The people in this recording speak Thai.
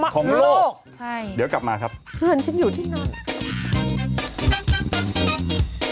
ของโลกใช่เดี๋ยวกลับมาครับเพื่อนฉันอยู่ที่นั่น